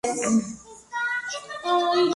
Elementos familiares han evolucionado.